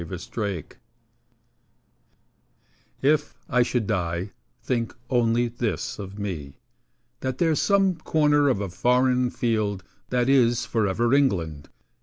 The Soldier If I should die, think only this of me: That there's some corner of a foreign field That is for ever England.